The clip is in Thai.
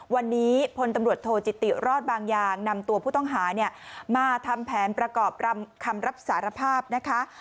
วันนี้พลตำรวจโทจิติรอดบางอย่างนำตัวผู้ต้องหาเนี่ยมาทำแผนประกอบคำรับสารภาพนะคะ